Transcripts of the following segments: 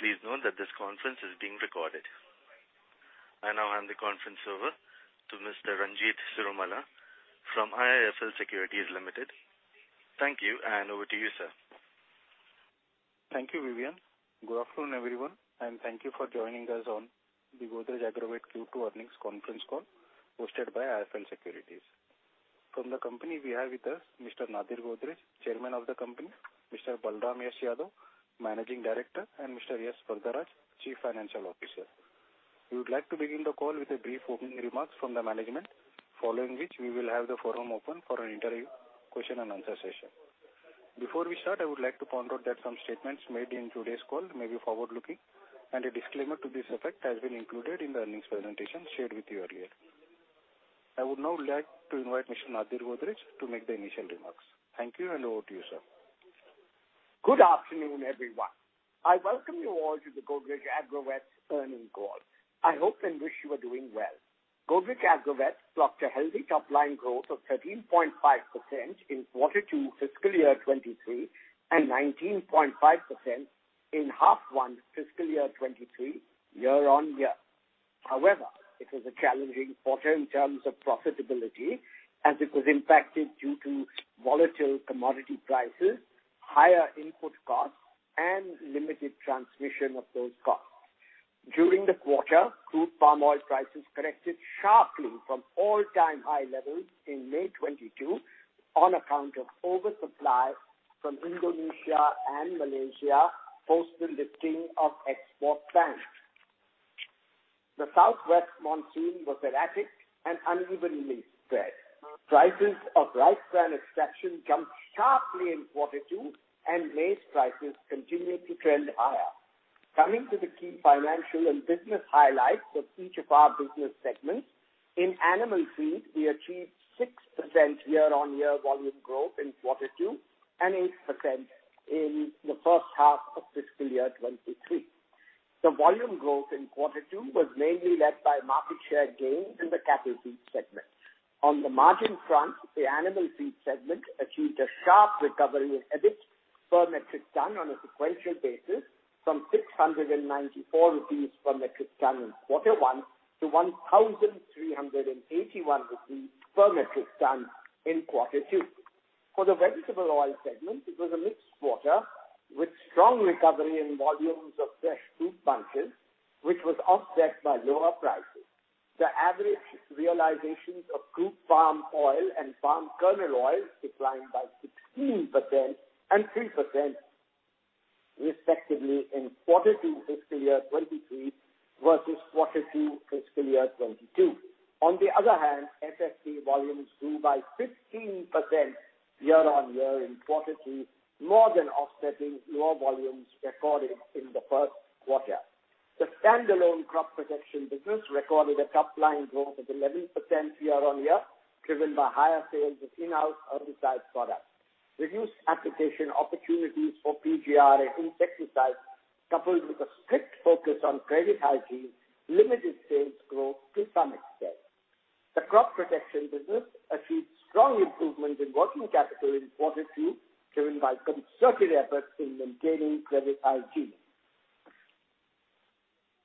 Please note that this conference is being recorded. Now I hand the conference over to Mr. Ranjit Cirumalla from IIFL Securities Limited. Thank you, and over to you, sir. Thank you, Vivian. Good afternoon, everyone. Thank you for joining us on the Godrej Agrovet Q2 earnings conference call hosted by IIFL Securities. From the company, we have with us Mr. Nadir Godrej, Chairman of the company, Mr. Balram Singh Yadav, Managing Director, and Mr. S. Varadaraj, Chief Financial Officer. We would like to begin the call with a brief opening remarks from the management. Following which, we will have the forum open for an interview question and answer session. Before we start, I would like to point out that some statements made in today's call may be forward-looking, and a disclaimer to this effect has been included in the earnings presentation shared with you earlier. I would now like to invite Mr. Nadir Godrej to make the initial remarks. Thank you, and over to you, sir. Good afternoon, everyone. I welcome you all to the Godrej Agrovet earnings call. I hope and wish you are doing well. Godrej Agrovet clocked a healthy top line growth of 13.5% in quarter two fiscal year 2023, and 19.5% in half one fiscal year 2023 year-on-year. However, it was a challenging quarter in terms of profitability as it was impacted due to volatile commodity prices, higher input costs, and limited transmission of those costs. During the quarter, crude palm oil prices corrected sharply from all-time high levels in May 2022 on account of oversupply from Indonesia and Malaysia post the lifting of export bans. The southwest monsoon was erratic and unevenly spread. Prices of rice bran extraction jumped sharply in quarter two, and maize prices continued to trend higher. Coming to the key financial and business highlights of each of our business segments. In animal feed, we achieved 6% year-on-year volume growth in quarter two and 8% in the first half of fiscal year 2023. The volume growth in quarter two was mainly led by market share gains in the cattle feed segment. On the margin front, the animal feed segment achieved a sharp recovery in EBIT per metric ton on a sequential basis from 694 rupees per metric ton in quarter one to 1,381 rupees per metric ton in quarter two. For the vegetable oil segment, it was a mixed quarter with strong recovery in volumes of fresh fruit bunches, which was offset by lower prices. The average realizations of crude palm oil and palm kernel oil declined by 16% and 3%, respectively, in quarter two fiscal year 2023 versus quarter two fiscal year 2022. On the other hand, FFB volumes grew by 15% year-on-year in quarter two, more than offsetting lower volumes recorded in the first quarter. The standalone crop protection business recorded a top line growth of 11% year-on-year, driven by higher sales of in-house herbicide products. Reduced application opportunities for PGR and insecticides, coupled with a strict focus on credit hygiene, limited sales growth to some extent. The crop protection business achieved strong improvements in working capital in quarter two, driven by concerted efforts in maintaining credit hygiene.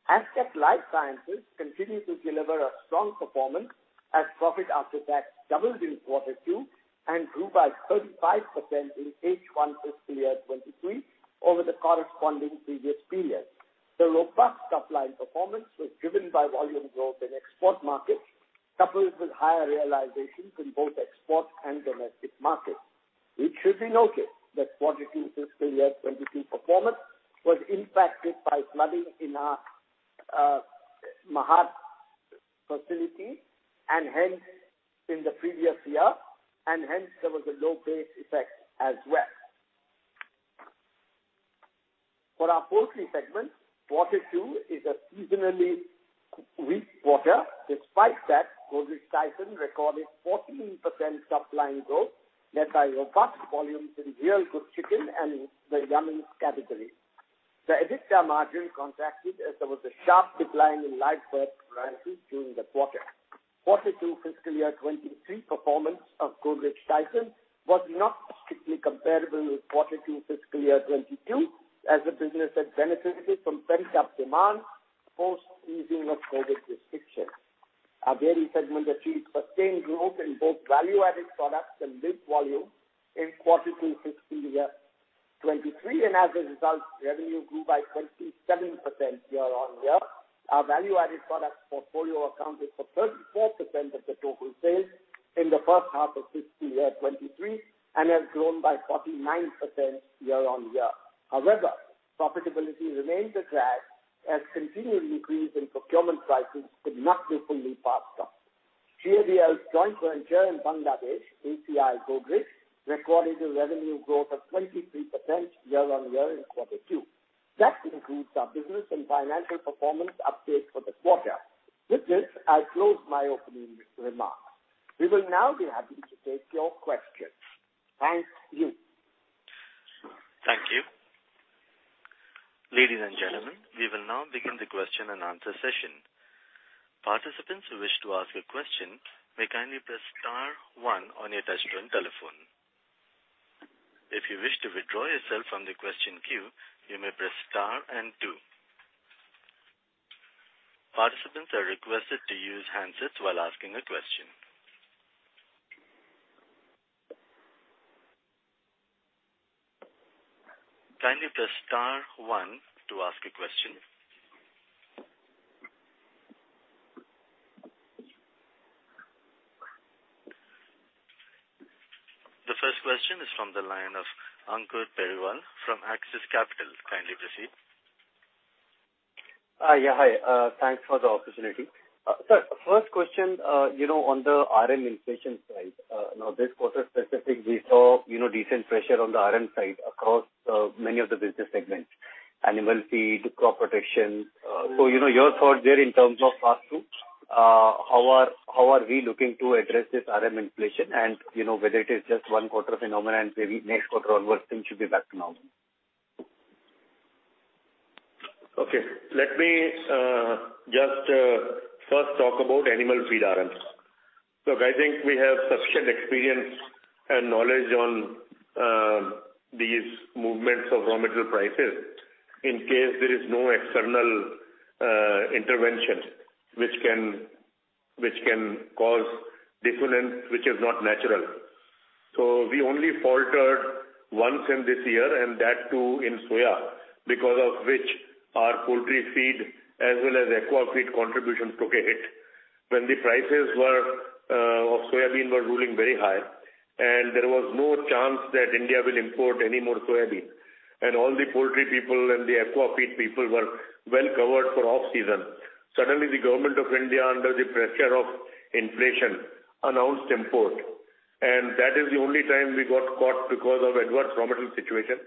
Astec LifeSciences continued to deliver a strong performance as profit after tax doubled in quarter two and grew by 35% in H1 fiscal year 2023 over the corresponding previous period. The robust top line performance was driven by volume growth in export markets, coupled with higher realizations in both export and domestic markets, which should be noted that quarter two fiscal year 2023 performance was impacted by flooding in our Mahad facility, and hence in the previous year, and hence there was a low base effect as well. For our poultry segment, quarter two is a seasonally weak quarter. Despite that, Godrej Tyson recorded 14% top line growth, led by robust volumes in Real Good Chicken and the Yummiez category. The EBITDA margin contracted as there was a sharp decline in live bird prices during the quarter. Quarter two fiscal year 2023 performance of Godrej Tyson was not strictly comparable with quarter two fiscal year 2022, as the business had benefited from pent-up demand post easing of COVID restrictions. Our dairy segment achieved sustained growth in both value-added products and milk volume in quarter 2 fiscal year 2023, and as a result, revenue grew by 27% year-on-year. Our value-added products portfolio accounted for 34% of the total sales in the first half of fiscal year 2023 and has grown by 49% year-on-year. However, profitability remains a drag as continued increase in procurement prices could not be fully passed on. GAVL's joint venture in Bangladesh, ACI Godrej Agrovet, recorded a revenue growth of 23% year-on-year in quarter two. That concludes our business and financial performance update for the quarter. With this, I close my opening remarks. We will now be happy to take your questions. Thank you. Thank you. Ladies and gentlemen, we will now begin the question and answer session. Participants who wish to ask a question may kindly press star one on your touch-tone telephone. If you wish to withdraw yourself from the question queue, you may press star and two. Participants are requested to use handsets while asking a question. Kindly press star one to ask a question. The first question is from the line of Ankur Periwal from Axis Capital. Kindly proceed. Hi. Yeah. Hi. Thanks for the opportunity. Sir, first question, you know, on the RM inflation side. Now this quarter specifically, we saw, you know, decent pressure on the RM side across, many of the business segments. Animal feed, crop protection. You know your thought there in terms of pass-through. How are we looking to address this RM inflation? You know, whether it is just one quarter phenomenon, maybe next quarter onwards things should be back to normal. Okay. Let me just first talk about animal feed RMs. Look, I think we have sufficient experience and knowledge on these movements of raw material prices in case there is no external intervention which can cause dissonance which is not natural. We only faltered once in this year, and that too in soya, because of which our poultry feed as well as aqua feed contributions took a hit. When the prices of soya bean were ruling very high, and there was no chance that India will import any more soya bean, and all the poultry people and the aqua feed people were well covered for off-season. Suddenly, the government of India, under the pressure of inflation, announced import. That is the only time we got caught because of adverse raw material situation.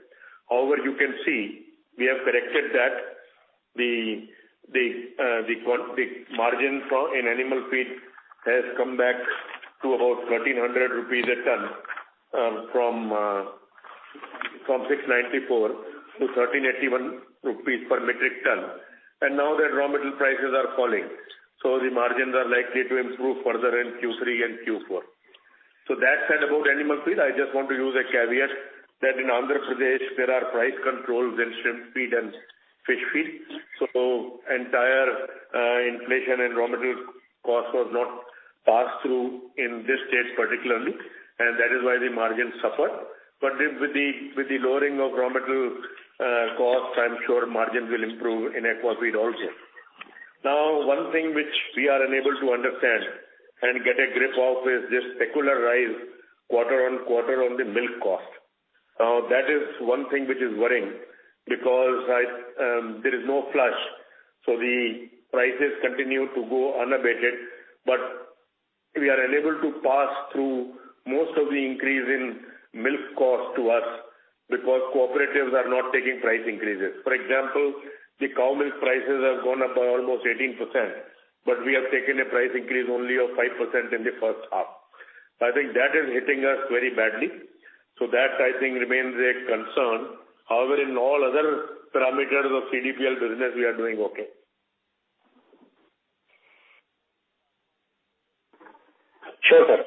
However, you can see we have corrected that. The margin for animal feed has come back to about 1,300 rupees a ton from 694-1,381 rupees per metric ton. Now that raw material prices are falling, so the margins are likely to improve further in Q3 and Q4. That said about animal feed, I just want to use a caveat that in Andhra Pradesh there are price controls in shrimp feed and fish feed, so the entire inflation and raw material cost was not passed through in this state particularly, and that is why the margins suffered. With the lowering of raw material costs, I'm sure margins will improve in aqua feed also. One thing which we are unable to understand and get a grip of is this secular rise quarter on quarter on the milk cost. Now, that is one thing which is worrying because there is no flush, so the prices continue to go unabated. We are unable to pass through most of the increase in milk cost to us because cooperatives are not taking price increases. For example, the cow milk prices have gone up by almost 18%, but we have taken a price increase only of 5% in the first half. I think that is hitting us very badly. That, I think remains a concern. However, in all other parameters of CDPL business, we are doing okay. Sure, sir.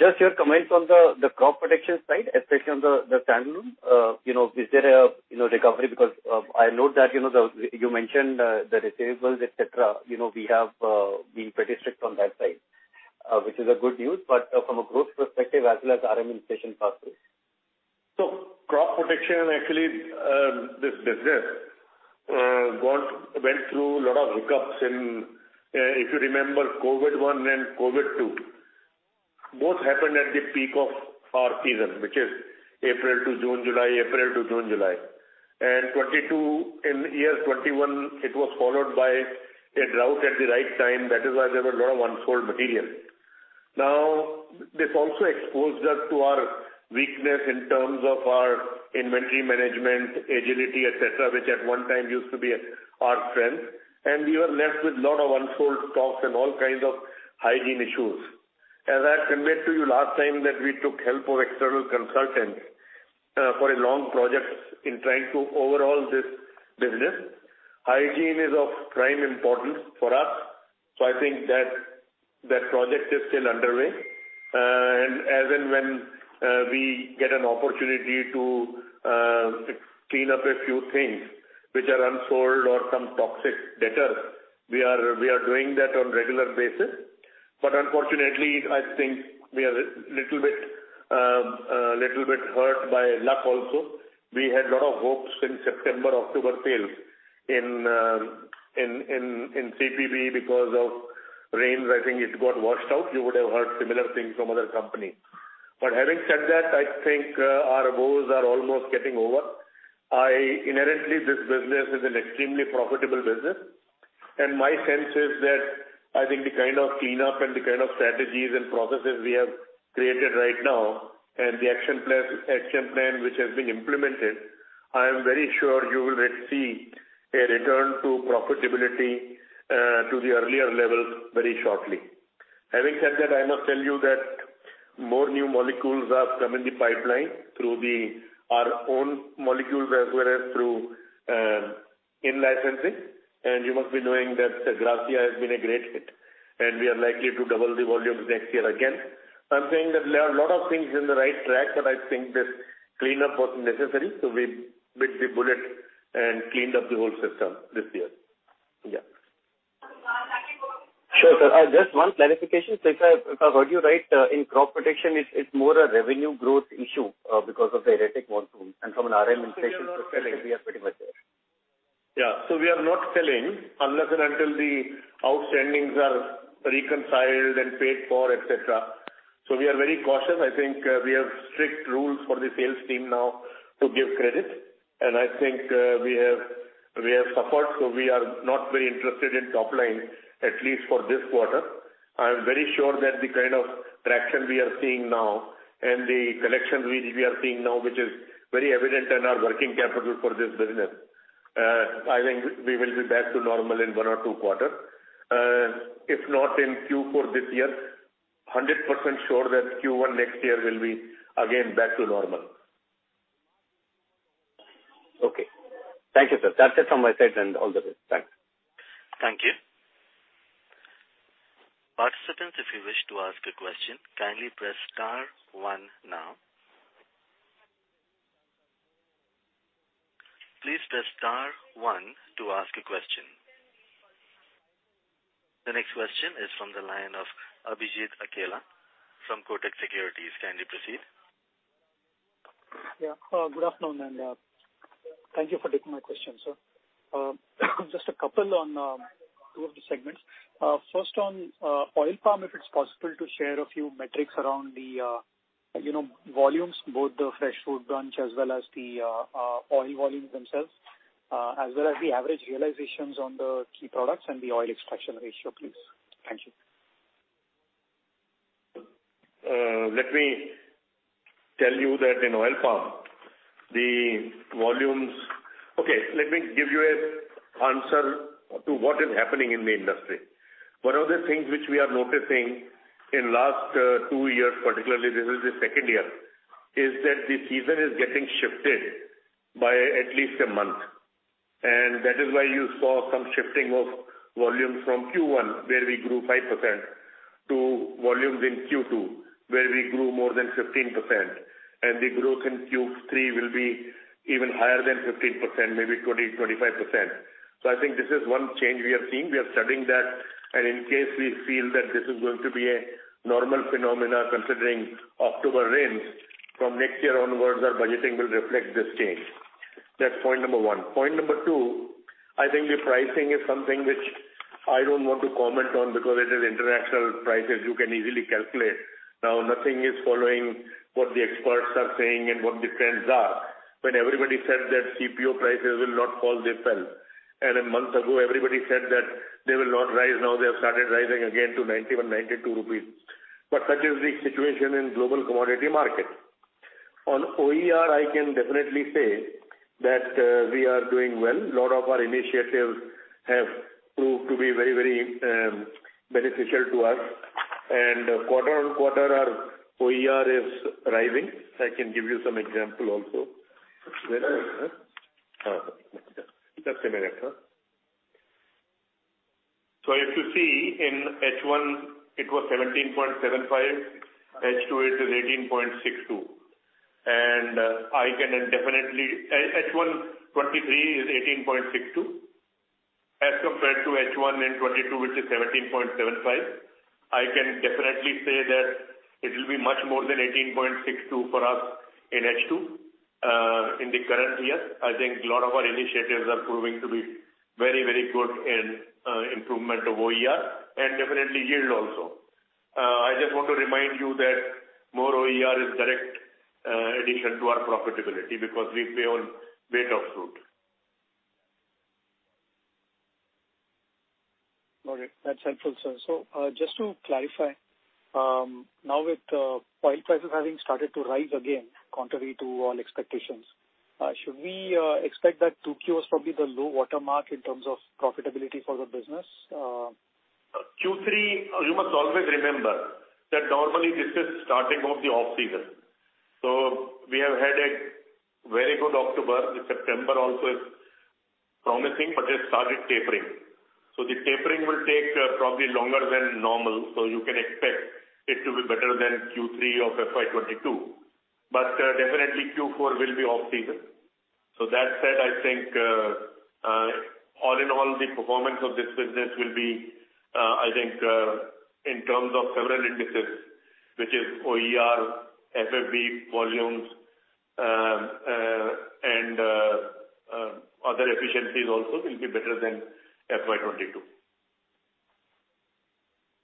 Just your comments on the crop protection side, especially on the standalone. You know, is there a recovery? Because I note that, you know, the receivables you mentioned, et cetera. You know, we have been pretty strict on that side, which is good news. From a growth perspective as well as RM inflation pass-through. Crop protection actually, this business went through a lot of hiccups in, if you remember COVID one and COVID two, both happened at the peak of our season, which is April to June, July. 2022, in year 2021, it was followed by a drought at the right time. That is why there were a lot of unsold material. Now, this also exposed us to our weakness in terms of our inventory management, agility, et cetera, which at one time used to be our strength, and we were left with a lot of unsold stocks and all kinds of hygiene issues. As I conveyed to you last time, that we took help of external consultants for a long project in trying to overhaul this business. Hygiene is of prime importance for us, so I think that project is still underway. As and when we get an opportunity to clean up a few things which are unsold or some toxic debtors, we are doing that on regular basis. Unfortunately, I think we are a little bit hurt by luck also. We had lot of hopes in September, October sales in CPB because of rains. I think it got washed out. You would have heard similar things from other companies. Having said that, I think our woes are almost getting over. Inherently, this business is an extremely profitable business. My sense is that I think the kind of cleanup and the kind of strategies and processes we have created right now, and the action plan which has been implemented, I am very sure you will see a return to profitability to the earlier levels very shortly. Having said that, I must tell you that more new molecules are coming in the pipeline through our own molecules as well as through in licensing. You must be knowing that Gracia has been a great hit, and we are likely to double the volumes next year again. I'm saying that there are a lot of things on the right track, but I think this cleanup was necessary, so we bit the bullet and cleaned up the whole system this year. Yeah. Sure, sir. Just one clarification. If I heard you right, in crop protection, it's more a revenue growth issue because of the erratic monsoon and from an RM inflation perspective, we are pretty much there. Yeah. We are not selling unless and until the outstandings are reconciled and paid for, et cetera. We are very cautious. I think we have strict rules for the sales team now to give credit. I think we have suffered, so we are not very interested in top line, at least for this quarter. I'm very sure that the kind of traction we are seeing now and the collection we are seeing now, which is very evident in our working capital for this business. I think we will be back to normal in one or two quarter. If not in Q4 this year, 100% sure that Q1 next year will be again back to normal. Okay. Thank you, sir. That's it from my side and all the best. Thanks. Thank you. Participants, if you wish to ask a question, kindly press star one now. Please press star one to ask a question. The next question is from the line of Abhijit Akella from Kotak Securities. Kindly proceed. Yeah. Good afternoon, and thank you for taking my question, sir. Just a couple on two of the segments. First on oil palm, if it's possible to share a few metrics around the you know, volumes, both the fresh fruit bunch as well as the oil volumes themselves, as well as the average realizations on the key products and the oil extraction ratio, please. Thank you. Let me give you an answer to what is happening in the industry. One of the things which we are noticing in the last two years, particularly this is the second year, is that the season is getting shifted by at least a month. That is why you saw some shifting of volumes from Q1, where we grew 5%, to volumes in Q2, where we grew more than 15%. The growth in Q3 will be even higher than 15%, maybe 20-25%. I think this is one change we are seeing. We are studying that. In case we feel that this is going to be a normal phenomenon considering October rains, from next year onwards, our budgeting will reflect this change. That's point number one. Point number two, I think the pricing is something which I don't want to comment on because it is international prices you can easily calculate. Now, nothing is following what the experts are saying and what the trends are. When everybody said that CPO prices will not fall, they fell. A month ago, everybody said that they will not rise. Now they have started rising again to 91-92 rupees. Such is the situation in global commodity market. On OER, I can definitely say that we are doing well. A lot of our initiatives have proved to be very, very beneficial to us. Quarter on quarter, our OER is rising. I can give you some example also. Where is it? Just a minute. If you see in H1, it was 17.75. H2, it is 18.62. I can definitely H1 2023 is 18.62%, as compared to H1 in 2022, which is 17.75%. I can definitely say that it will be much more than 18.62% for us in H2 in the current year. I think a lot of our initiatives are proving to be very, very good in improvement of OER and definitely yield also. I just want to remind you that more OER is direct addition to our profitability because we pay on weight of fruit. All right. That's helpful, sir. Just to clarify, now with oil prices having started to rise again, contrary to all expectations, should we expect that 2Q was probably the low water mark in terms of profitability for the business? Q3, you must always remember that normally this is the start of the off-season. We have had a very good October. September also is promising, but it started tapering. The tapering will take probably longer than normal, so you can expect it to be better than Q3 of FY 2022. Definitely Q4 will be off-season. That said, I think all in all, the performance of this business will be, I think, in terms of several indices, which is OER, FFB, volumes, and other efficiencies also will be better than FY 2022.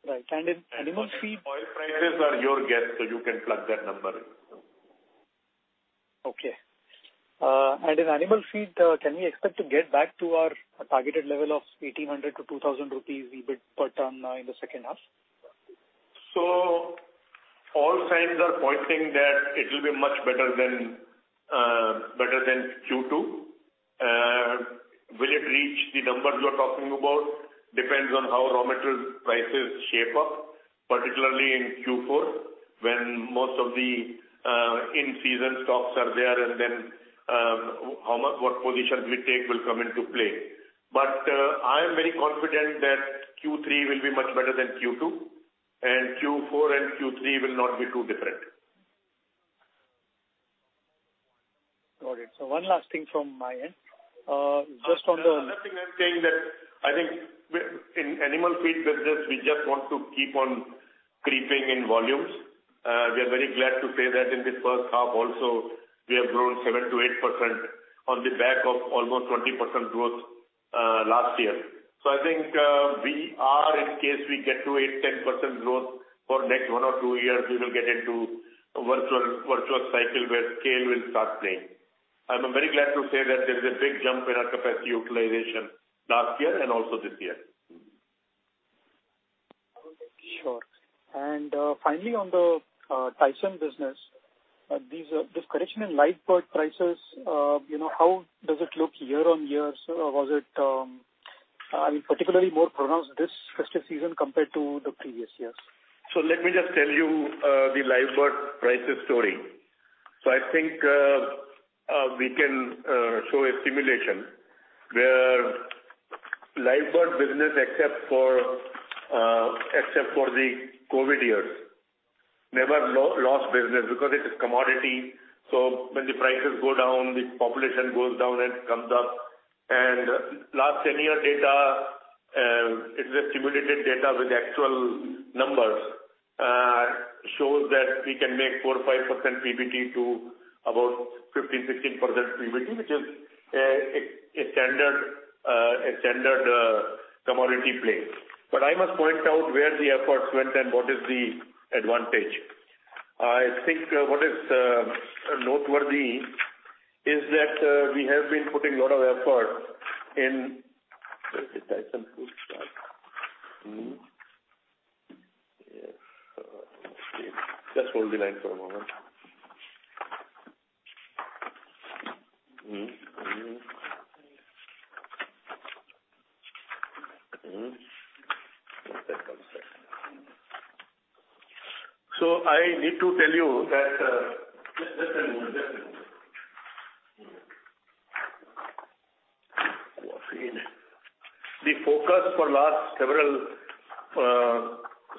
Right. In animal feed. Oil prices are your guess, so you can plug that number in. Okay. In animal feed, can we expect to get back to our targeted level of 1,800-2,000 rupees EBIT per ton in the second half? All signs are pointing that it will be much better than Q2. The numbers we're talking about depends on how raw material prices shape up, particularly in Q4, when most of the in-season stocks are there, and then, what position we take will come into play. I am very confident that Q3 will be much better than Q2, and Q4 and Q3 will not be too different. Got it. One last thing from my end. Just on the Another thing I'm saying that I think we in animal feed business, we just want to keep on creeping in volumes. We are very glad to say that in the first half also we have grown 7%-8% on the back of almost 20% growth last year. I think, we are in case we get to 8%-10% growth for next one or two years, we will get into a virtual cycle where scale will start playing. I'm very glad to say that there is a big jump in our capacity utilization last year and also this year. Sure. Finally on the Tyson business, this correction in live bird prices, you know, how does it look year-on-year? Was it, I mean, particularly more pronounced this festive season compared to the previous years? Let me just tell you the live bird prices story. I think we can show a simulation where live bird business, except for the COVID years, never lost business because it is commodity. When the prices go down, the population goes down and comes up. Last 10-year data, it's a simulated data with actual numbers, shows that we can make 4 or 5% PBT to about 15, 16% PBT, which is a standard commodity play. I must point out where the efforts went and what is the advantage. I think what is noteworthy is that we have been putting a lot of effort in. Where is the Godrej Tyson Foods chart? Yes. Let's see. Just hold the line for a moment. One second. I need to tell you that. The focus for last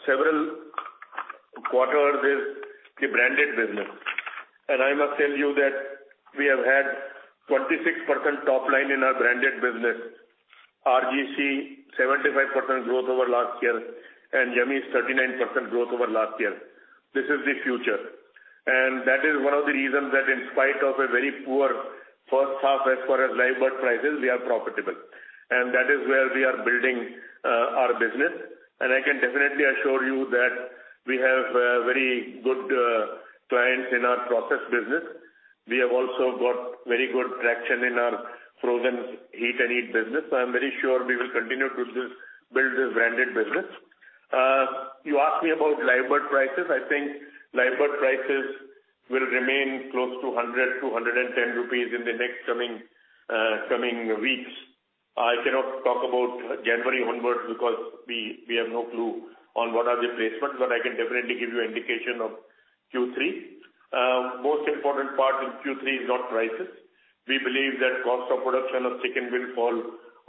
several quarters is the branded business. I must tell you that we have had 46% top line in our branded business. RGC 75% growth over last year, and Yummiez 39% growth over last year. This is the future. That is one of the reasons that in spite of a very poor first half as far as live bird prices, we are profitable. That is where we are building our business. I can definitely assure you that we have very good clients in our process business. We have also got very good traction in our frozen heat and eat business. I'm very sure we will continue to build this branded business. You asked me about live bird prices. I think live bird prices will remain close to 100-110 rupees in the next coming weeks. I cannot talk about January onwards because we have no clue on what are the placements, but I can definitely give you indication of Q3. Most important part in Q3 is not prices. We believe that cost of production of chicken will fall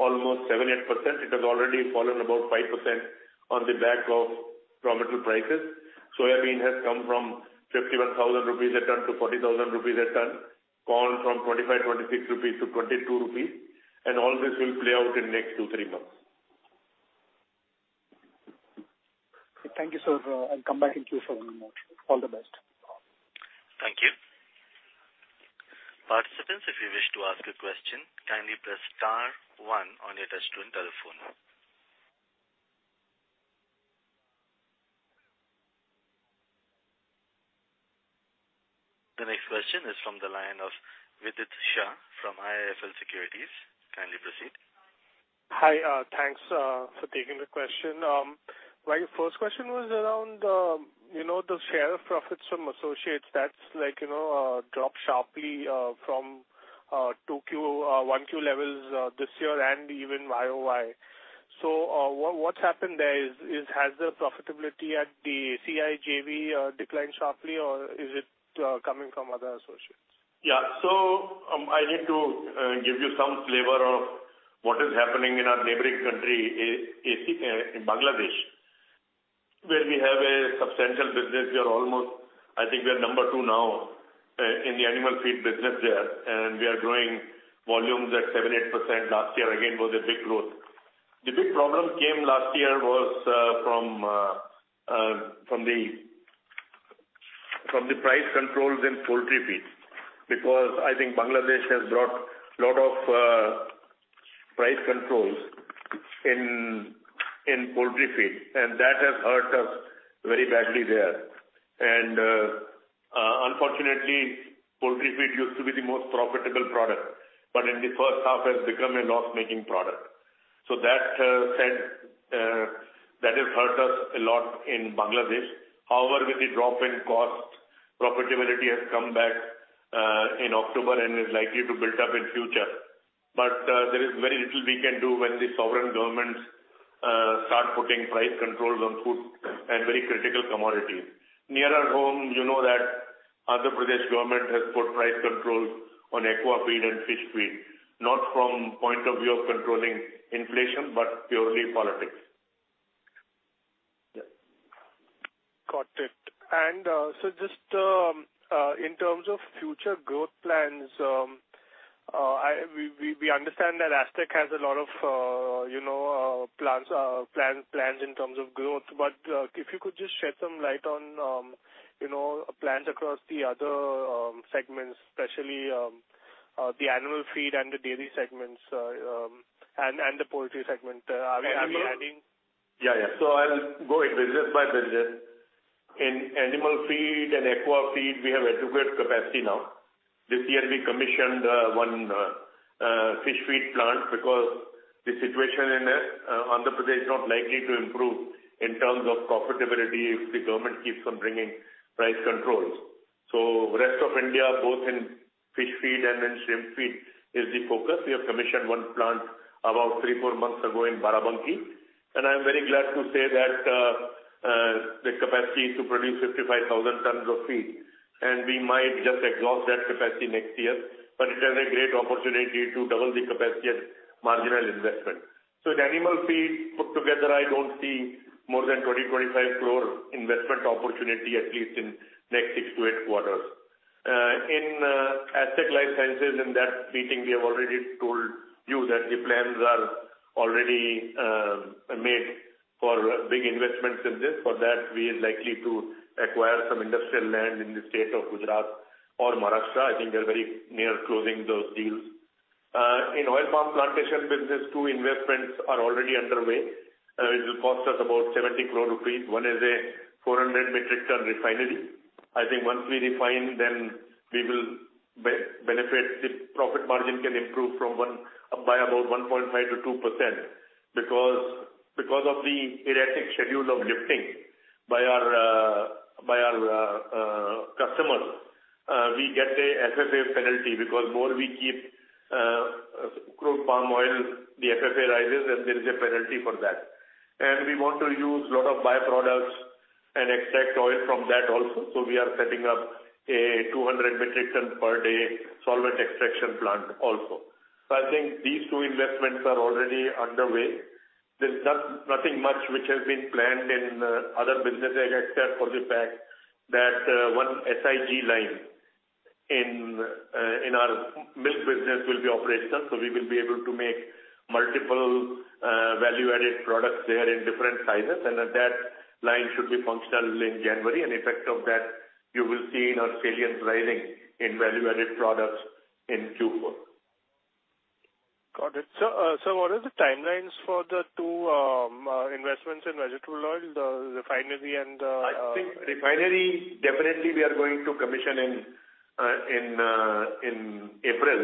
almost 7-8%. It has already fallen about 5% on the back of raw material prices. Soybean has come from 51,000 rupees a ton to 40,000 rupees a ton. Corn from 25-26 rupees to 22 rupees. All this will play out in next two, three months. Thank you, sir. I'll come back and queue for one more. All the best. Thank you. Participants, if you wish to ask a question, kindly press star one on your touchtone telephone. The next question is from the line of Vidit Shah from IIFL Securities. Kindly proceed. Hi. Thanks for taking the question. My first question was around, you know, the share of profits from associates that's like, you know, dropped sharply from 2Q 1Q levels this year and even YOY. What's happened there? Has the profitability at the ACI JV declined sharply or is it coming from other associates? Yeah. I need to give you some flavor of what is happening in our neighboring country, in Bangladesh, where we have a substantial business. We are almost, I think we are number two now, in the animal feed business there. We are growing volumes at 7-8%. Last year again, was a big growth. The big problem came last year was from the price controls in poultry feeds. Because I think Bangladesh has brought lot of price controls in poultry feed, and that has hurt us very badly there. Unfortunately, poultry feed used to be the most profitable product, but in the first half has become a loss-making product. That said, that has hurt us a lot in Bangladesh. However, with the drop in costs, profitability has come back in October and is likely to build up in future. There is very little we can do when the sovereign governments start putting price controls on food and very critical commodities. Near our home, you know that Andhra Pradesh government has put price controls on aqua feed and fish feed, not from point of view of controlling inflation, but purely politics. Yeah. Got it. Just in terms of future growth plans, we understand that Astec has a lot of, you know, plans in terms of growth. If you could just shed some light on, you know, plans across the other segments, especially the animal feed and the dairy segments, and the poultry segment. Are we adding- Yeah, yeah. I'll go business by business. In animal feed and aqua feed, we have adequate capacity now. This year we commissioned 1 fish feed plant because the situation in Andhra Pradesh is not likely to improve in terms of profitability if the government keeps on bringing price controls. Rest of India, both in fish feed and in shrimp feed is the focus. We have commissioned one plant about three-four months ago in Barabanki, and I'm very glad to say that the capacity to produce 55,000 tons of feed, and we might just exhaust that capacity next year, but it has a great opportunity to double the capacity at marginal investment. The animal feed put together, I don't see more than 20-25 crore investment opportunity, at least in next six-eight quarters. In Astec LifeSciences, in that meeting, we have already told you that the plans are already made for big investments in this. For that, we are likely to acquire some industrial land in the state of Gujarat or Maharashtra. I think they're very near closing those deals. In oil palm plantation business, two investments are already underway. It will cost us about 70 crore rupees. One is a 400 metric ton refinery. I think once we refine, then we will benefit. The profit margin can improve by about 1.5%-2%. Because of the erratic schedule of lifting by our customers, we get a FFA penalty because more we keep crude palm oil, the FFA rises, and there is a penalty for that. We want to use lot of by-products and extract oil from that also. We are setting up a 200 metric ton per day solvent extraction plant also. I think these two investments are already underway. There's nothing much which has been planned in other businesses except for the fact that one SIG line in our milk business will be operational, so we will be able to make multiple value-added products there in different sizes. That line should be functional in January. Effect of that you will see in our sales rising in value-added products in Q4. Got it. What are the timelines for the two investments in vegetable oil, the refinery and? I think refinery definitely we are going to commission in April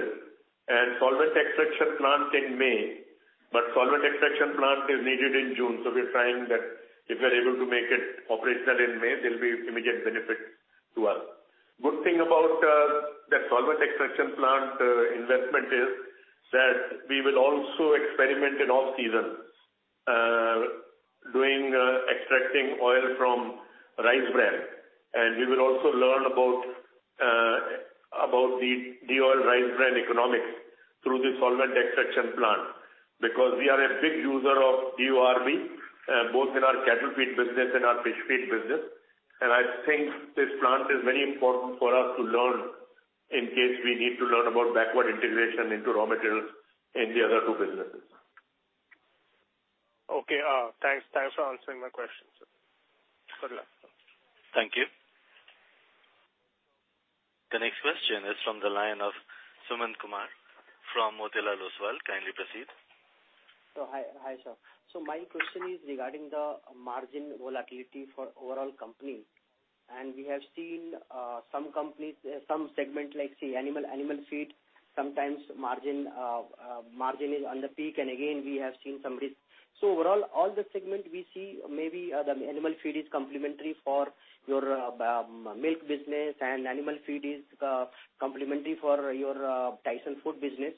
and solvent extraction plant in May. Solvent extraction plant is needed in June, so we're trying that. If we are able to make it operational in May, there'll be immediate benefit to us. Good thing about the solvent extraction plant investment is that we will also experiment in off-season doing extracting oil from rice bran. We will also learn about the de-oiled rice bran economics through the solvent extraction plant. Because we are a big user of DORB both in our cattle feed business and our fish feed business. I think this plant is very important for us to learn in case we need to learn about backward integration into raw materials in the other two businesses. Okay. Thanks. Thanks for answering my questions. Good luck. Thank you. The next question is from the line of Sumant Kumar from Motilal Oswal. Kindly proceed. Hi, sir. My question is regarding the margin volatility for overall company. We have seen some companies, some segment like, say, animal feed, sometimes margin is on the peak, and again, we have seen some risk. Overall, all the segment we see maybe the animal feed is complementary for your milk business and animal feed is complementary for your Tyson food business.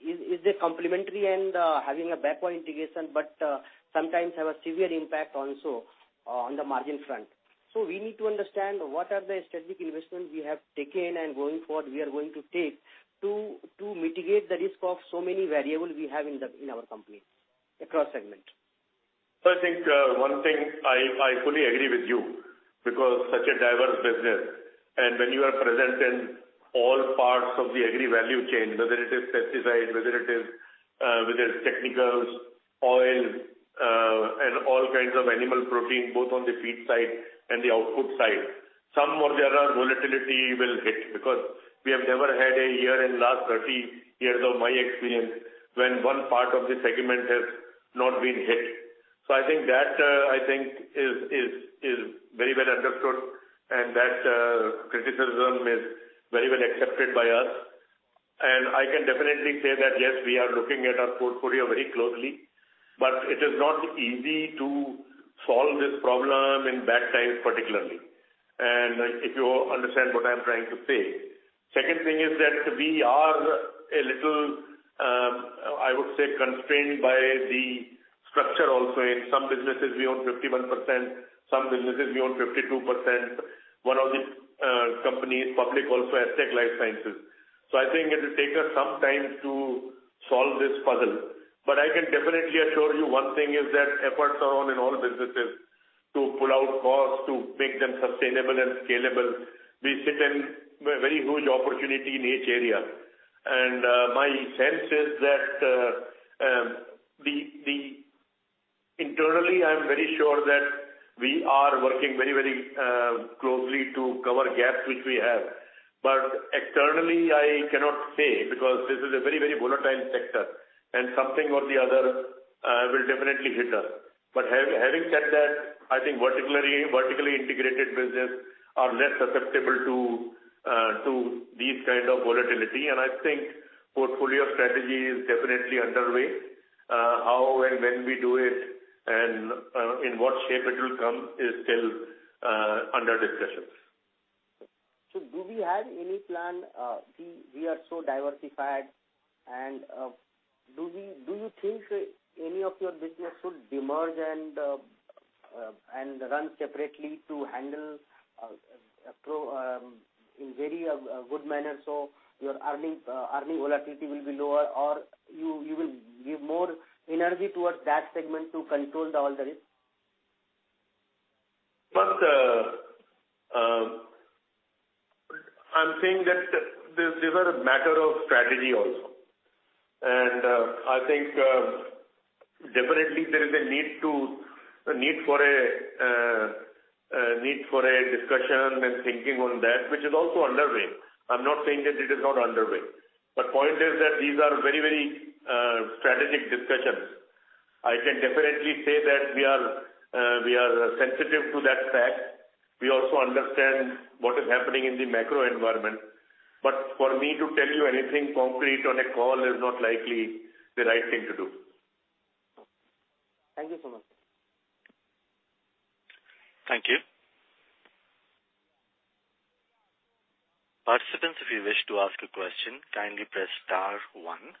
Is it complementary and having a backward integration, but sometimes have a severe impact also on the margin front. We need to understand what are the strategic investments we have taken and going forward we are going to take to mitigate the risk of so many variables we have in the in our company across segment. I think one thing I fully agree with you because such a diverse business and when you are present in all parts of the agri value chain, whether it is pesticides, technicals, oil, and all kinds of animal protein, both on the feed side and the output side. Some or the other volatility will hit because we have never had a year in last 30 years of my experience when one part of the segment has not been hit. I think that is very well understood and that criticism is very well accepted by us. I can definitely say that yes, we are looking at our portfolio very closely, but it is not easy to solve this problem in bad times, particularly. If you understand what I'm trying to say. Second thing is that we are a little, I would say, constrained by the structure also. In some businesses we own 51%, some businesses we own 52%. One of the company is public also, Astec LifeSciences. I think it'll take us some time to solve this puzzle. I can definitely assure you one thing is that efforts are on in all businesses to pull out costs, to make them sustainable and scalable. We sit in very huge opportunity in each area. My sense is that internally, I'm very sure that we are working very closely to cover gaps which we have. Externally, I cannot say, because this is a very volatile sector and something or the other will definitely hit us. Having said that, I think vertically integrated business are less susceptible to these kind of volatility. I think portfolio strategy is definitely underway. How and when we do it and in what shape it will come is still under discussions. Do we have any plan, we are so diversified and do you think any of your business should demerge and run separately to handle in very good manner, so your earnings volatility will be lower, or you will give more energy towards that segment to control all the risk? I'm saying that these are a matter of strategy also. I think definitely there is a need for a discussion and thinking on that, which is also underway. I'm not saying that it is not underway. Point is that these are very strategic discussions. I can definitely say that we are sensitive to that fact. We also understand what is happening in the macro environment. For me to tell you anything concrete on a call is not likely the right thing to do. Thank you so much. Thank you. Participants, if you wish to ask a question, kindly press star one.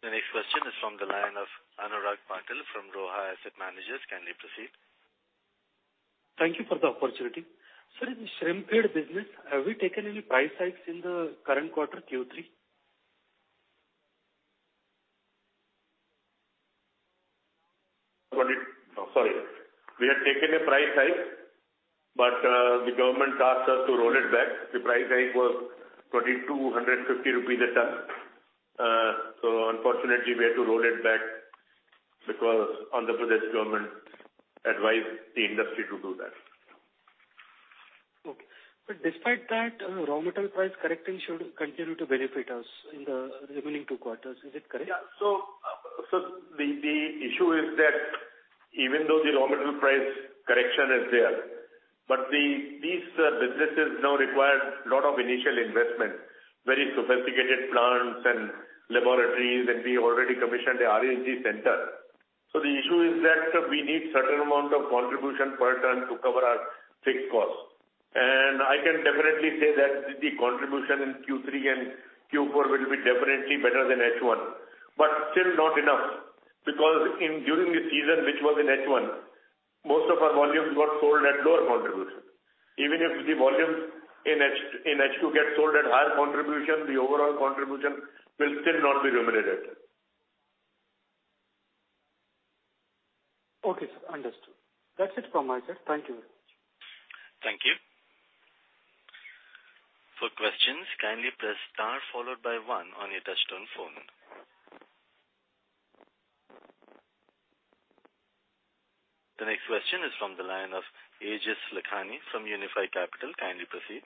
The next question is from the line of Anurag Patil from Roha Asset Managers. Kindly proceed. Thank you for the opportunity. Sir, in the shrimp feed business, have we taken any price hikes in the current quarter, Q3? Sorry. We had taken a price hike, but the government asked us to roll it back. The price hike was 2,250 rupees a ton. Unfortunately, we had to roll it back because Andhra Pradesh government advised the industry to do that. Okay. Despite that, raw material price correcting should continue to benefit us in the remaining two quarters. Is it correct? The issue is that even though the raw material price correction is there, but these businesses now require lot of initial investment, very sophisticated plants and laboratories, and we already commissioned a R&D center. The issue is that we need certain amount of contribution per ton to cover our fixed costs. I can definitely say that the contribution in Q3 and Q4 will be definitely better than H1, but still not enough, because during the season, which was in H1, most of our volumes got sold at lower contribution. Even if the volumes in H2 get sold at higher contribution, the overall contribution will still not be remunerated. Okay, sir. Understood. That's it from my side. Thank you very much. Thank you. For questions, kindly press star followed by one on your touchtone phone. The next question is from the line of Aejas Lakhani from Unifi Capital. Kindly proceed.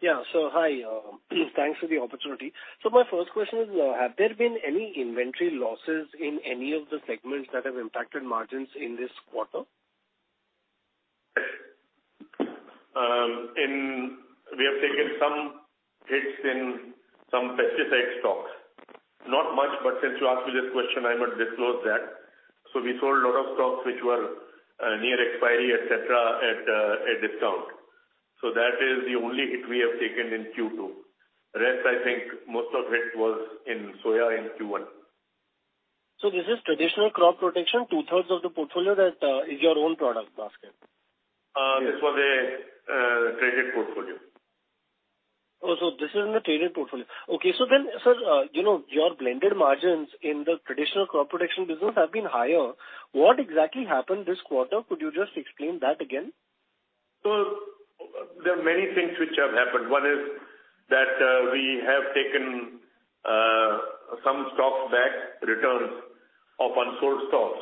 Hi. Thanks for the opportunity. My first question is, have there been any inventory losses in any of the segments that have impacted margins in this quarter? We have taken some hits in some pesticide stocks. Not much, but since you asked me this question, I must disclose that. We sold a lot of stocks which were near expiry, et cetera, at a discount. That is the only hit we have taken in Q2. Rest, I think most of it was in soya in Q1. This is traditional crop protection, two-thirds of the portfolio that is your own product basket. This was a traded portfolio. Oh, this is in the traded portfolio. Okay. Sir, you know, your blended margins in the traditional crop protection business have been higher. What exactly happened this quarter? Could you just explain that again? There are many things which have happened. One is that we have taken some stock back returns of unsold stocks,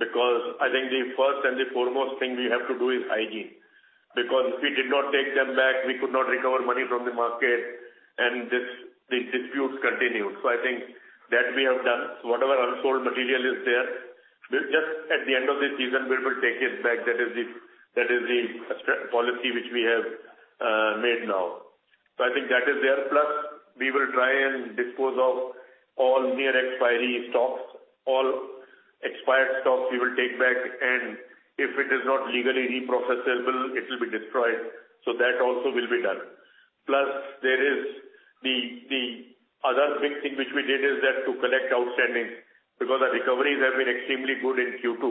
because I think the first and the foremost thing we have to do is hygiene. Because we did not take them back, we could not recover money from the market and this, the disputes continued. I think that we have done. Whatever unsold material is there, we'll just at the end of this season, we will take it back. That is the strict policy which we have made now. I think that is there. Plus we will try and dispose of all near expiry stocks. All expired stocks we will take back, and if it is not legally reprocessable, it will be destroyed. That also will be done. Plus there is the other big thing which we did is that to collect outstanding, because our recoveries have been extremely good in Q2,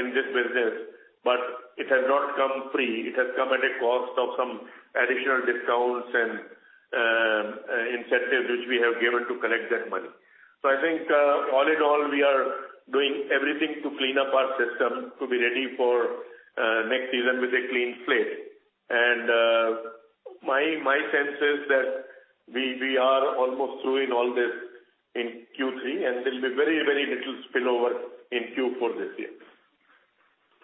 in this business, but it has not come free. It has come at a cost of some additional discounts and incentives which we have given to collect that money. I think, all in all, we are doing everything to clean up our system to be ready for next season with a clean slate. My sense is that we are almost through in all this in Q3 and there'll be very, very little spillover in Q4 this year.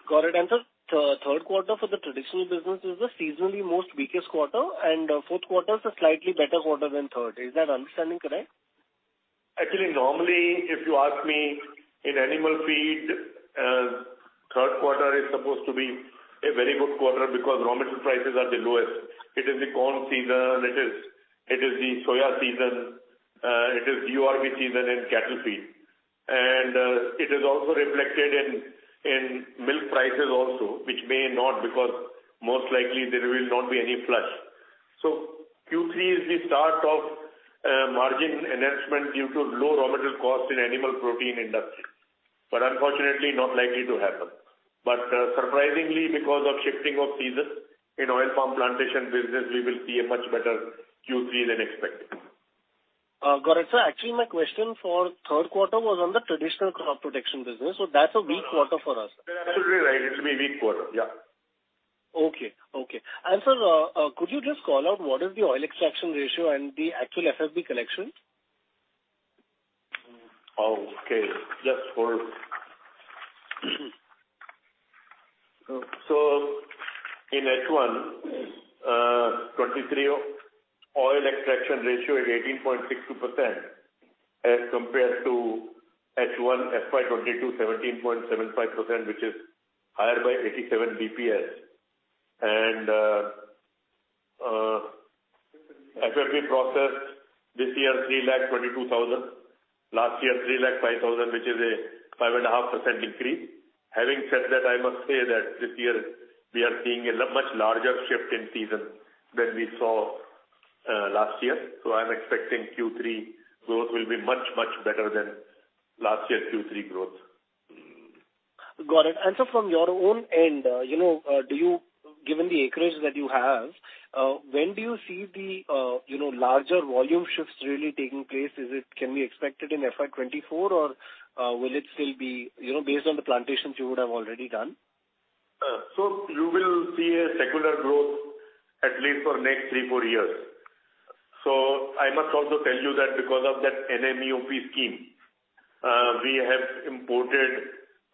Got it. Sir, the third quarter for the traditional business is the seasonally most weakest quarter, and fourth quarter is a slightly better quarter than third. Is that understanding correct? Actually, normally, if you ask me, in animal feed, third quarter is supposed to be a very good quarter because raw material prices are the lowest. It is the corn season, it is the soya season, it is DORB season in cattle feed. It is also reflected in milk prices also, which may not because most likely there will not be any flush. Q3 is the start of margin enhancement due to low raw material costs in animal protein industry, but unfortunately not likely to happen. Surprisingly because of shifting of seasons in oil palm plantation business, we will see a much better Q3 than expected. Got it, sir. Actually, my question for third quarter was on the traditional crop protection business. That's a weak quarter for us. You're absolutely right. It'll be a weak quarter. Yeah. Okay. Sir, could you just call out what is the oil extraction ratio and the actual FFB collection? Oh, okay. Just hold. In H1 2023 oil extraction ratio is 18.62% as compared to H1 FY 2022, 17.75%, which is higher by 87 BPS. FFB processed this year, 322,000. Last year, 305,000, which is a 5.5% increase. Having said that, I must say that this year we are seeing a much larger shift in season than we saw last year. I'm expecting Q3 growth will be much, much better than last year's Q3 growth. Got it. Sir, from your own end, you know, given the acreage that you have, when do you see the, you know, larger volume shifts really taking place? Is it can be expected in FY 2024 or will it still be, you know, based on the plantations you would have already done? You will see a secular growth at least for next 3, 4 years. I must also tell you that because of that NMEO-OP scheme, we have imported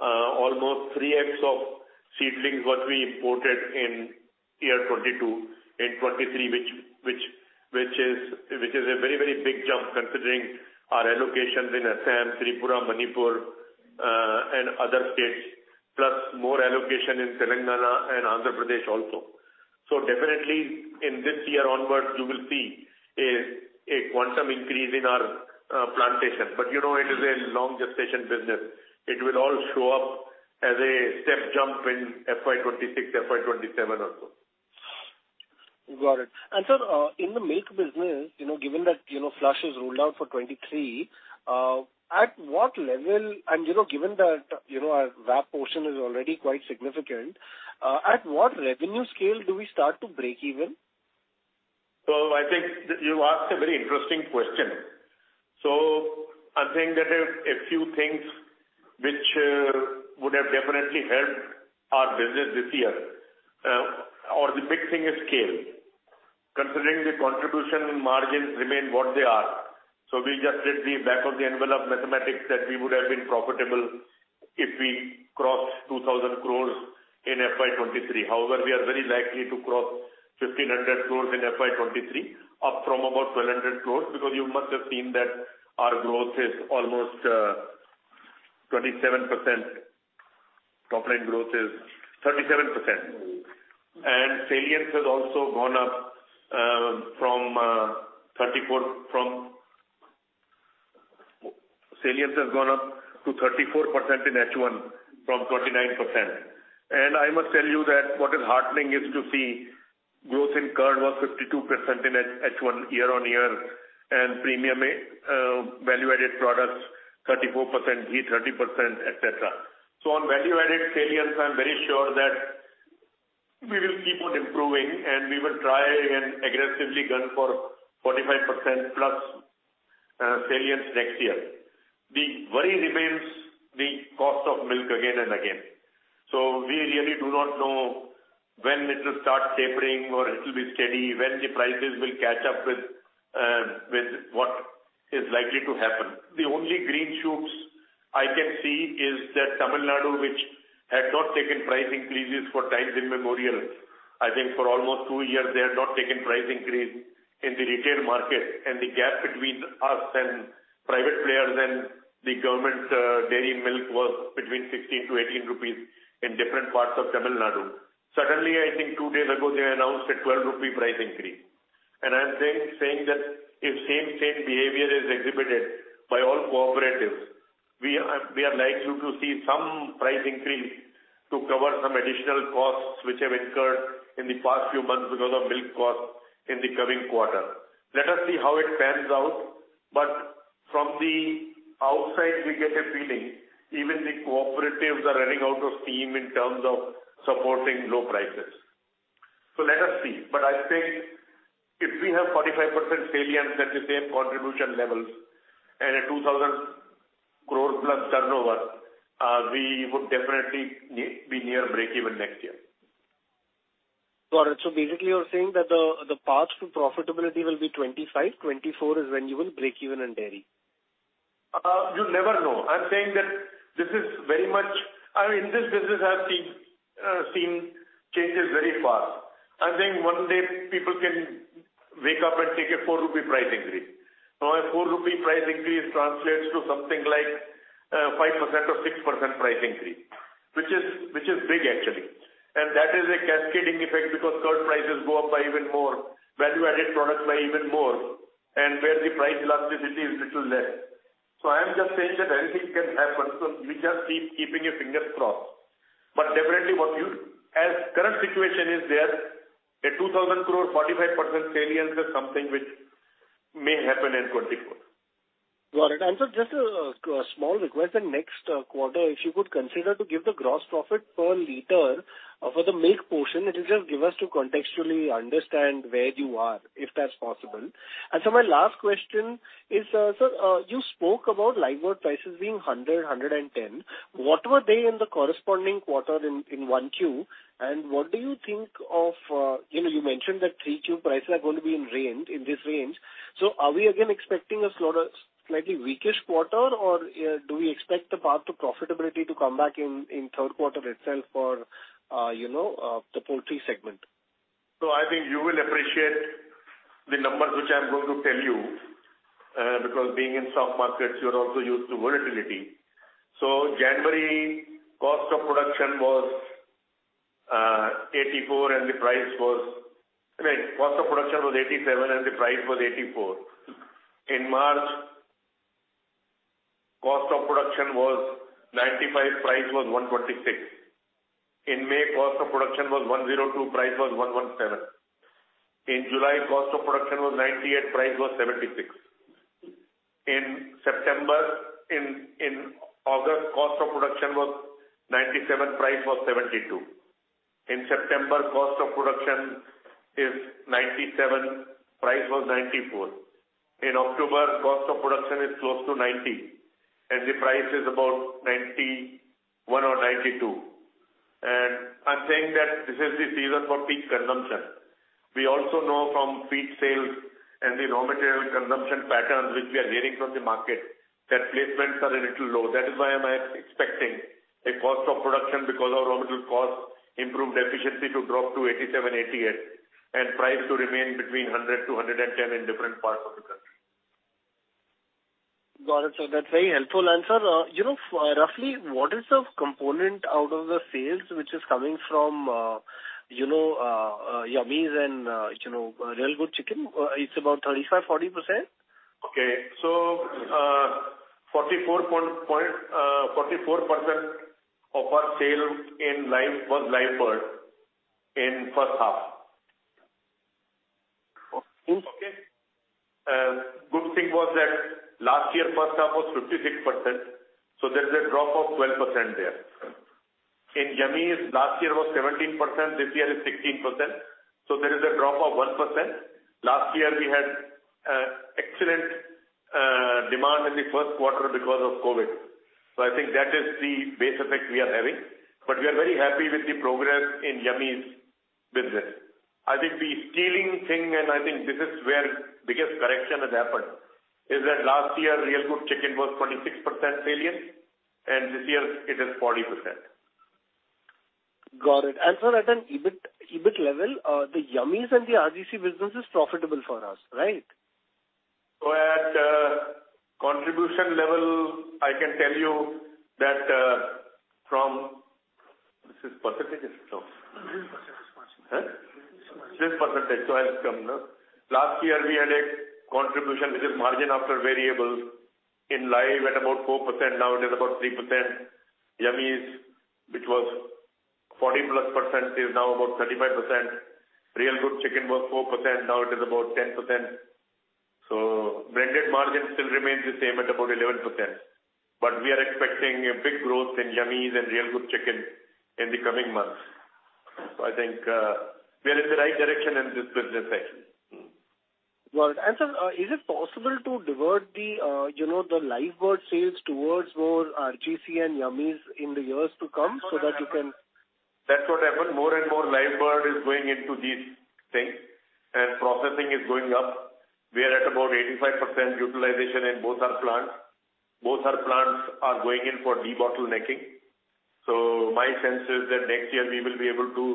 almost 3x of seedlings what we imported in year 2022, in 2023, which is a very big jump considering our allocations in Assam, Tripura, Manipur, and other states, plus more allocation in Telangana and Andhra Pradesh also. Definitely in this year onwards, you will see a quantum increase in our plantation. You know it is a long gestation business. It will all show up as a step jump in FY 2026, FY 2027 or so. Got it. Sir, in the milk business, you know, given that, you know, flush is rolled out for 2023, at what level? You know, given that, you know, our VAP portion is already quite significant, at what revenue scale do we start to break even? I think you asked a very interesting question. I think that there's a few things which would have definitely helped our business this year. The big thing is scale. Considering the contribution margins remain what they are. We just did the back of the envelope mathematics that we would have been profitable if we crossed 2,000 crore in FY 2023. However, we are very likely to cross 1,500 crore in FY 2023, up from about 1,200 crore, because you must have seen that our growth is almost 27%. Topline growth is 37%. Salience has also gone up to 34% in H1 from 29%. I must tell you that what is heartening is to see growth in curd was 52% in H1 year-on-year, and premium, value-added products, 34%, ghee 30%, etc. On value-added salience, I'm very sure that we will keep on improving, and we will try and aggressively gun for 45%+ salience next year. The worry remains the cost of milk again and again. We really do not know when it will start tapering or it will be steady, when the prices will catch up with what is likely to happen. The only green shoots I can see is that Tamil Nadu, which had not taken price increases for time immemorial, I think for almost 2 years, they have not taken price increase in the retail market, and the gap between us and private players and the government dairy milk was between 16-18 rupees in different parts of Tamil Nadu. Suddenly, I think 2 days ago, they announced a 12 rupee price increase. I'm saying that if same behavior is exhibited by all cooperatives, we are likely to see some price increase to cover some additional costs which have incurred in the past few months because of milk costs in the coming quarter. Let us see how it pans out, but from the outside, we get a feeling even the cooperatives are running out of steam in terms of supporting low prices. Let us see. I think if we have 45% salience at the same contribution levels and a 2,000 crore+ turnover, we would definitely be near breakeven next year. Got it. Basically, you're saying that the path to profitability will be 2025, 2024 is when you will breakeven in dairy. You never know. I'm saying that this is very much. I mean, this business has seen changes very fast. I think one day people can wake up and take a 4 rupee price increase. Now, a 4 rupee price increase translates to something like 5% or 6% price increase, which is big, actually. That is a cascading effect because curd prices go up by even more, value-added products by even more, and where the price elasticity is little less. I'm just saying that anything can happen. We just keep your fingers crossed. Definitely, as current situation is there, 2,000 crore 45% salience is something which may happen in 2024. Got it. Sir, just a small request. In next quarter, if you could consider to give the gross profit per liter for the milk portion, it'll just give us to contextually understand where you are, if that's possible. Sir, my last question is. Sir, you spoke about live bird prices being 110. What were they in the corresponding quarter in 1Q? What do you think of, you know, you mentioned that 3Q prices are gonna be in range, in this range. Are we again expecting a slower, slightly weak-ish quarter, or do we expect the path to profitability to come back in third quarter itself for, you know, the poultry segment? I think you will appreciate the numbers which I'm going to tell you, because being in stock markets, you're also used to volatility. January cost of production was 87, and the price was 84. In March, cost of production was 95, price was 146. In May, cost of production was 102, price was 117. In July, cost of production was 98, price was 76. In August, cost of production was 97, price was 72. In September, cost of production is 97, price was 94. In October, cost of production is close to 90, and the price is about 91 or 92. I'm saying that this is the season for peak consumption. We also know from feed sales and the raw material consumption patterns which we are hearing from the market, that placements are a little low. That is why I'm expecting a cost of production because of raw material cost, improved efficiency to drop to 87-88, and price to remain between 100-110 in different parts of the country. Got it, sir. That's a very helpful answer. You know, roughly what is the component out of the sales which is coming from, you know, Yummiez and, you know, Real Good Chicken? It's about 35%-40%? 44.44% of our sale in live was live bird in first half. Okay. Okay? Good thing was that last year, first half was 56%, so there's a drop of 12% there. In Yummiez, last year was 17%, this year is 16%, so there is a drop of 1%. Last year we had excellent demand in the first quarter because of COVID. I think that is the base effect we are having. We are very happy with the progress in Yummiez business. I think the stunning thing, and I think this is where biggest correction has happened, is that last year, Real Good Chicken was 26% salience, and this year it is 40%. Got it. Sir, at an EBIT level, the Yummiez and the RGC business is profitable for us, right? Well, at contribution level, I can tell you that this is percentage or so? Mm-hmm. Huh? This percentage. This percentage. I'll come, no? Last year, we had a contribution, which is margin after variables in livestock at about 4%. Now it is about 3%. Yummiez, which was 40+%, is now about 35%. Real Good Chicken was 4%, now it is about 10%. Branded margin still remains the same at about 11%. We are expecting a big growth in Yummiez and Real Good Chicken in the coming months. I think, we are in the right direction in this business section. Mm-hmm. Well, sir, is it possible to divert the, you know, the live bird sales towards more RGC and Yummiez in the years to come so that you can- That's what happened. More and more live bird is going into these things, and processing is going up. We are at about 85% utilization in both our plants. Both our plants are going in for debottlenecking. My sense is that next year we will be able to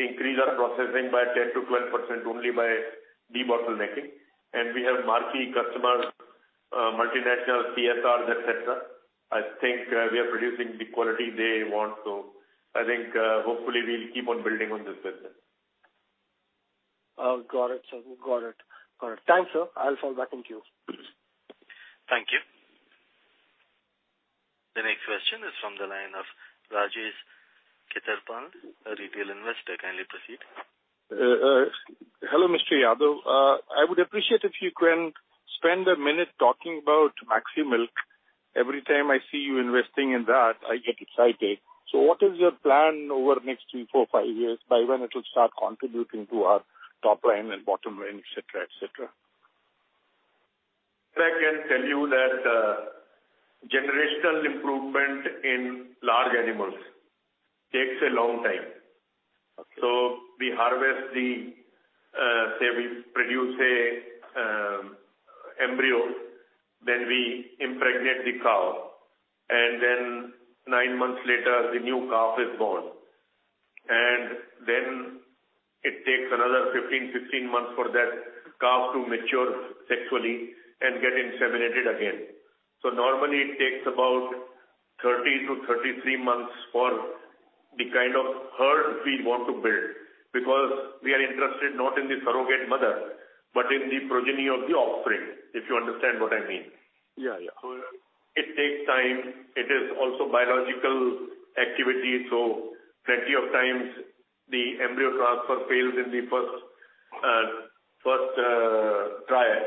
increase our processing by 10%-12% only by debottlenecking. We have marquee customers, multinational QSR, et cetera. I think, we are producing the quality they want. I think, hopefully we'll keep on building on this business. Oh, got it, sir. Got it. Thanks, sir. I'll follow back in queue. Thank you. The next question is from the line of Rajesh Khetarpal, a Retail Investor. Kindly proceed. Hello, Mr. Yadav. I would appreciate if you can spend a minute talking about Maxximilk. Every time I see you investing in that, I get excited. What is your plan over the next 3, 4, 5 years by when it will start contributing to our top line and bottom line, et cetera, et cetera? I can tell you that generational improvement in large animals takes a long time. Okay. We produce an embryo, then we impregnate the cow, and then nine months later, the new calf is born. It takes another 15, 16 months for that calf to mature sexually and get inseminated again. Normally it takes about 30-33 months for the kind of herd we want to build because we are interested not in the surrogate mother, but in the progeny of the offspring, if you understand what I mean. Yeah. Yeah. It takes time. It is also biological activity. Plenty of times the embryo transfer fails in the first trial.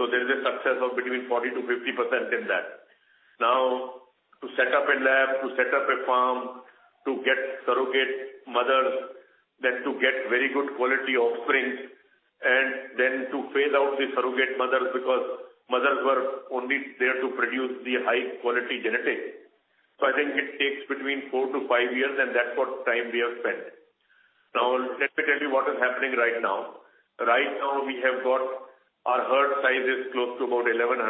There is a success of between 40%-50% in that. Now, to set up a lab, to set up a farm, to get surrogate mothers, then to get very good quality offspring, and then to phase out the surrogate mothers because mothers were only there to produce the high quality genetics. I think it takes between 4-5 years, and that's what time we have spent. Now, let me tell you what is happening right now. Right now we have got our herd sizes close to about 1,100,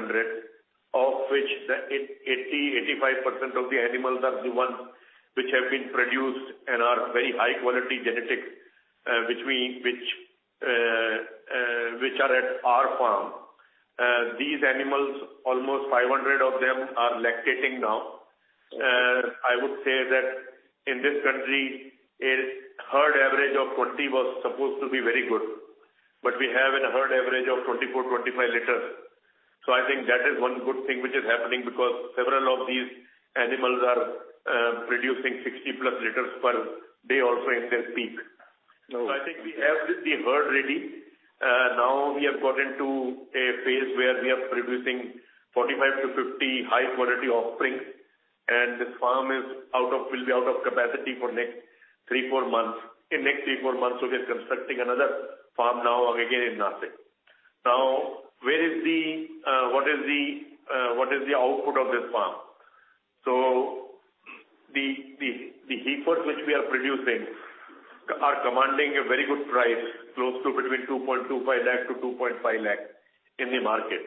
of which the 85% of the animals are the ones which have been produced and are very high quality genetics, which are at our farm. These animals, almost 500 of them, are lactating now. I would say that in this country a herd average of 20 was supposed to be very good, but we have a herd average of 24-25 liters. I think that is one good thing which is happening because several of these animals are producing 60+ liters per day also in their peak. Oh. I think we have the herd ready. Now we have got into a phase where we are producing 45-50 high quality offspring, and this farm will be out of capacity for next 3-4 months. In next 3-4 months, we'll be constructing another farm now again in Nashik. Now, where is the, what is the output of this farm? The heifers which we are producing are commanding a very good price, close to between 2.25 lakh-2.5 lakh in the market.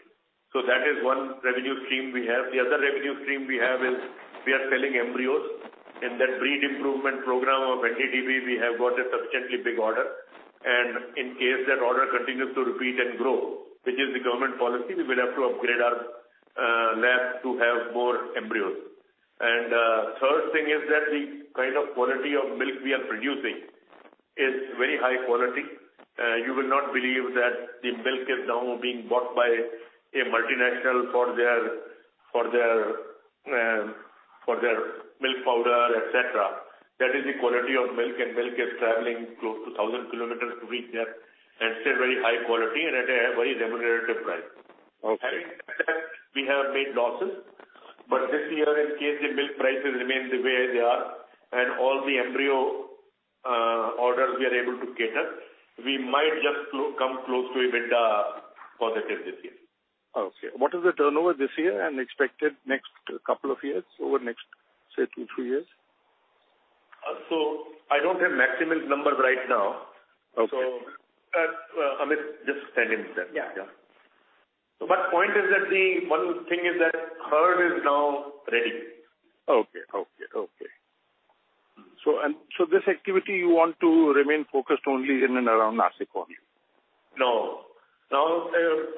That is one revenue stream we have. The other revenue stream we have is we are selling embryos. In that breed improvement program of NDDB, we have got a substantially big order. In case that order continues to repeat and grow, which is the government policy, we will have to upgrade our lab to have more embryos. Third thing is that the kind of quality of milk we are producing is very high quality. You will not believe that the milk is now being bought by a multinational for their milk powder, et cetera. That is the quality of milk, and milk is traveling close to 1,000 kilometers to reach there and still very high quality and at a very remunerative price. Okay. We have made losses. This year, in case the milk prices remain the way they are and all the embryo orders we are able to cater, we might just come close to EBITDA positive this year. Okay. What is the turnover this year and expected next couple of years, over the next, say, two, three years? I don't have Maxximilk numbers right now. Okay. Amit, just send him that. Yeah. Yeah. Point is that the one thing is that herd is now ready. Okay. This activity you want to remain focused only in and around Nashik only? No. Now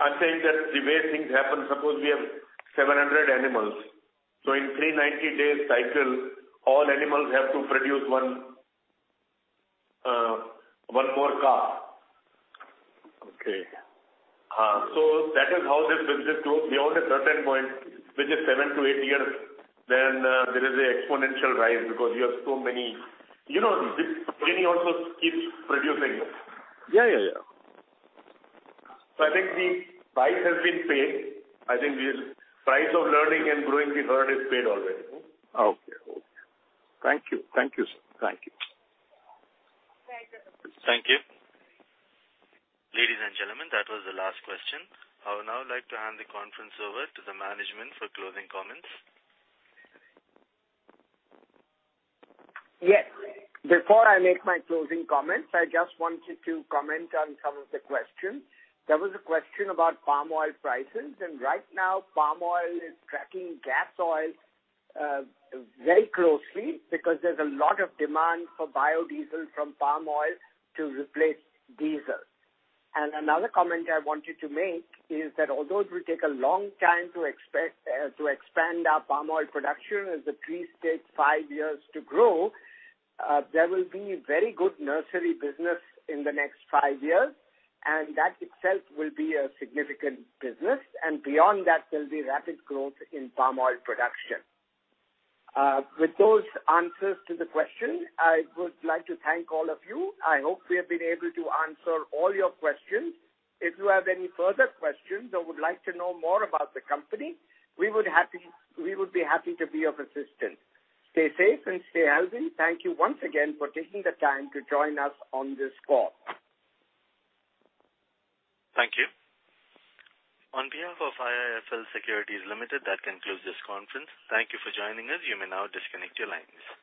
I'm saying that the way things happen, suppose we have 700 animals. In 390-day cycle, all animals have to produce one more calf. Okay. That is how this business grows. Beyond a certain point, which is seven-eight years, there is an exponential rise because you have so many. You know, this progeny also keeps producing. Yeah, yeah. I think the price has been paid. I think the price of learning and growing the herd is paid already. Okay. Okay. Thank you. Thank you, sir. Thank you. Thank you. Ladies and gentlemen, that was the last question. I would now like to hand the conference over to the management for closing comments. Yes. Before I make my closing comments, I just wanted to comment on some of the questions. There was a question about palm oil prices, and right now palm oil is tracking gas oil very closely because there's a lot of demand for biodiesel from palm oil to replace diesel. Another comment I wanted to make is that although it will take a long time to expand our palm oil production, as the tree takes five years to grow, there will be very good nursery business in the next five years, and that itself will be a significant business. Beyond that, there'll be rapid growth in palm oil production. With those answers to the question, I would like to thank all of you. I hope we have been able to answer all your questions. If you have any further questions or would like to know more about the company, we would be happy to be of assistance. Stay safe and stay healthy. Thank you once again for taking the time to join us on this call. Thank you. On behalf of IIFL Securities Limited, that concludes this conference. Thank you for joining us. You may now disconnect your lines.